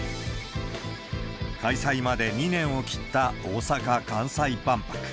開催まで２年を切った大阪・関西万博。